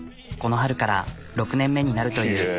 この春から６年目になるという。